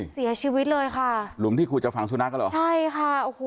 เสียชีวิตเลยค่ะหลุมที่ขุดจากฝังสูนักหรอ